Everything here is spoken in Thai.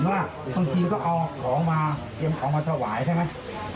ว่าบางทีก็เอาของมาเตรียมของมาถวายใช่ไหม